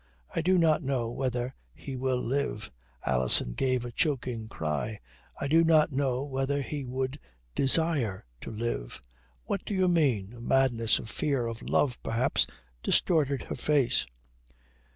"I do not know whether he will live." Alison gave a choking cry. "I do not now know whether he would desire to live." "What do you mean?" A madness of fear, of love perhaps, distorted her face.